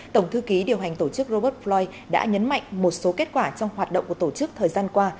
tổng thư ký điều hành tổ chức robert floy đã nhấn mạnh một số kết quả trong hoạt động của tổ chức thời gian qua